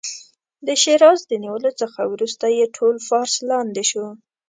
د شیراز د نیولو څخه وروسته یې ټول فارس لاندې شو.